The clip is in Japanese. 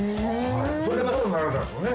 それでプロになられたんですもんね。